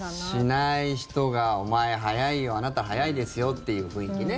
しない人がお前、早いよなあなた早いですよという雰囲気ね。